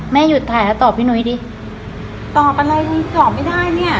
หยุดถ่ายแล้วตอบพี่หนุ้ยดิตอบอะไรตอบไม่ได้เนี่ย